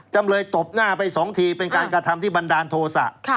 จำเลยตบหน้าไป๒ทีเป็นการกระทำที่บันดาลโทษะ